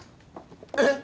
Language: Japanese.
えっ？